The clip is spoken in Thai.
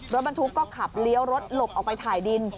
รถบรรทุกก็ขับเลี้ยวรถหลบออกไปถ่ายดิน